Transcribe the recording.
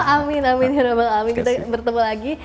amin amin ya rabbul alamin kita bertemu lagi